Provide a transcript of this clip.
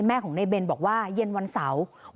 แม่ของในเบนบอกว่าเย็นวันเสาร์